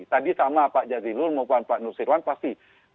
tadi sama pak jazilul maupun pak nur sirwan pasti